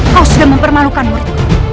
kau sudah mempermalukan muridku